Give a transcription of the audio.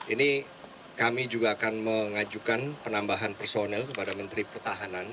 ini kami juga akan mengajukan penambahan personel kepada menteri pertahanan